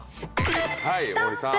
はい森さん。